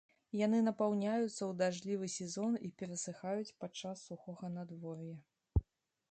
Яны напаўняюцца ў дажджлівы сезон і перасыхаюць падчас сухога надвор'я.